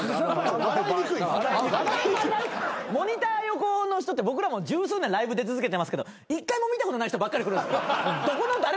モニター横の人って僕らも十数年ライブ出続けてますけど１回も見たことない人ばっかり来るんですけどどこの誰ですか？